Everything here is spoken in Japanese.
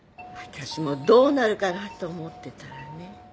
私もどうなるかなと思ってたらね。